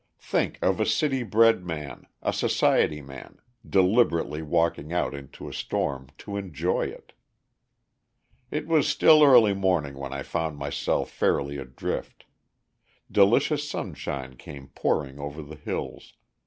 Think of a city bred man, a society man, deliberately walking out into a storm to enjoy it. "It was still early morning when I found myself fairly adrift. Delicious sunshine came pouring over the hills....